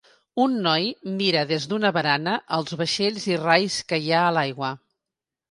Un noi mira des d'una barana els vaixells i rais que hi ha l'aigua.